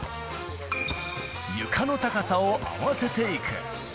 床の高さを合わせていく。